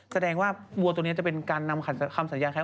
แสดงว่าวัวตัวนี้จะเป็นการนำคำสัญญาแท้